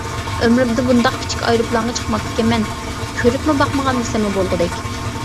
ئۆمرۈمدە بۇنداق كىچىك ئايروپىلانغا چىقماپتىكەنمەن، كۆرۈپمۇ باقمىغان دېسەممۇ بولغۇدەك.